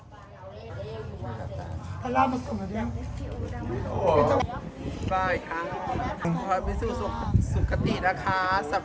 พระราชมาสุดหรือเปล่าอ๋อบ้าอีกครั้งพระพิสูจน์สุขตินะคะสัตว์สาว